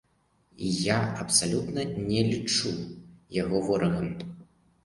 І я абсалютна не лічу яго ворагам.